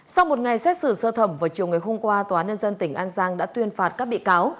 sau một ngày xét xử sơ thẩm vào chiều ngày hôm qua tòa nhân dân tỉnh an giang đã tuyên phạt các bị cáo